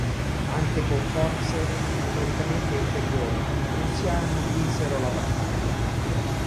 Anche con forze numericamente inferiori, i prussiani vinsero la battaglia.